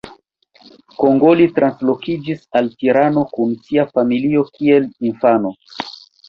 Kongoli translokiĝis al Tirano kun sia familio kiel infano.